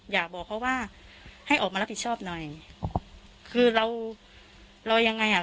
อยากบอกเขาว่าให้ออกมารับผิดชอบหน่อยคือเราเรายังไงอ่ะ